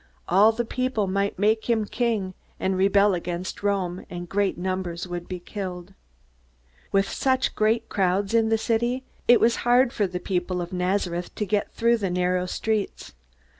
All the people might make him king, and rebel against Rome, and great numbers would be killed. With such crowds in the city, it was hard for the people from Nazareth to get through the narrow streets.